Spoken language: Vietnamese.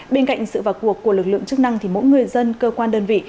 bên cạnh sự vào cuộc của lực lượng chức năng thì mỗi người dân cơ quan đơn vị